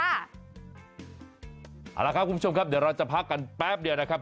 เอาละครับคุณผู้ชมครับเดี๋ยวเราจะพักกันแป๊บเดียวนะครับ